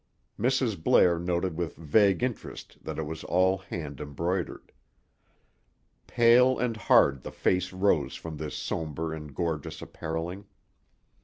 Mrs. Blair noted with vague interest that it was all hand embroidered. Pale and hard the face rose from this somber and gorgeous appareling.